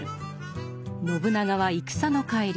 信長は戦の帰り